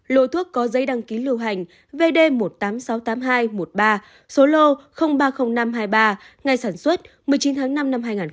lộ thuốc có giấy đăng ký lưu hành vd một triệu tám trăm sáu mươi tám nghìn hai trăm một mươi ba số lô ba mươi nghìn năm trăm hai mươi ba ngày sản xuất một mươi chín tháng năm năm hai nghìn hai mươi ba